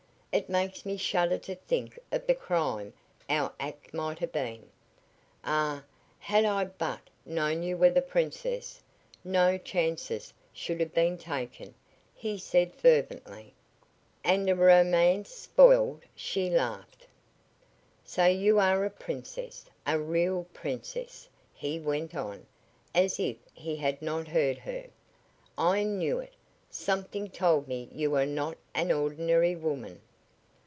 It makes me shudder to think of the crime our act might have been. Ah, had I but known you were the Princess, no chances should have been taken," he said, fervently. "And a romance spoiled," she laughed. "So you are a princess, a real princess," he went on, as if he had not heard her. "I knew it. Something told me you were not an ordinary woman."